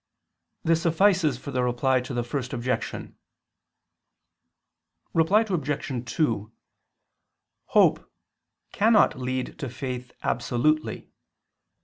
This suffices for the Reply to the First Objection. Reply Obj. 2: Hope cannot lead to faith absolutely.